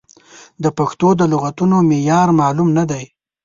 د پښتو د لغتونو معیار معلوم نه دی.